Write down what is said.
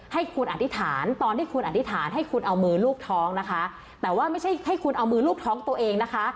ให้คุณอธิษฐานตอนที่คุณอธิษฐานให้คุณเอามือลูกท้องนะคะแต่ว่าไม่ใช่ให้คุณเอามือลูบท้องตัวเองนะคะ